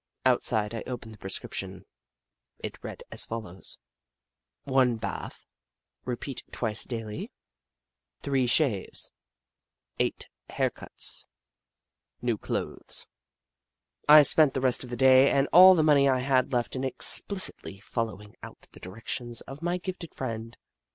Outside, I opened the prescription. It read as follows :" I bath, repeat twice daily, 3 shaves, 8 hair cuts. New clothes." I spent the rest of the day and all the money I had left in explicitly following out the direc tions of my gifted friend.